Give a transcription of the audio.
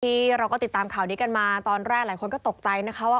ที่เราก็ติดตามข่าวนี้กันมาตอนแรกหลายคนก็ตกใจนะคะว่า